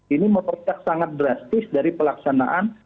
ini merocak sangat drastis dari pelaksanaan